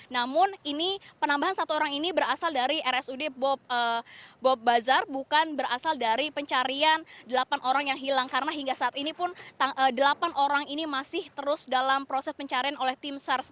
namun ini penambahan satu orang ini berasal dari rsud bob bazar bukan berasal dari pencarian delapan orang yang hilang karena hingga saat ini pun delapan orang ini masih terus dalam proses pencarian oleh tim sars